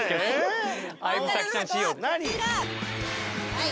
はい。